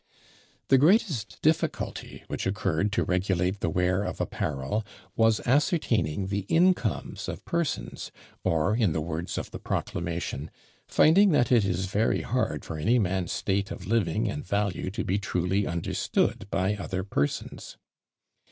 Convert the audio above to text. The greatest difficulty which occurred to regulate the wear of apparel was ascertaining the incomes of persons, or in the words of the proclamation, "finding that it is very hard for any man's state of living and value to be truly understood by other persons."